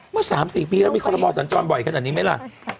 เมื่อ๓๔ปีแล้วมีคอลโมสัญจรบ่อยขนาดนี้ไหมล่ะ